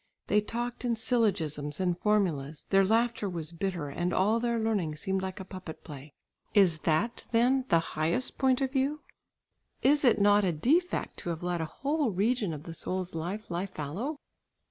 They talked in syllogisms and formulas; their laughter was bitter, and all their learning seemed like a puppet play. Is that then the highest point of view? It is not a defect to have let a whole region of the soul's life lie fallow?